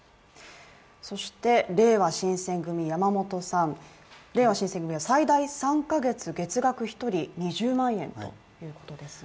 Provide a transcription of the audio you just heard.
れいわ新選組、山本さん、れいわ新選組は最大３カ月、月額１人、２０万円ということですが。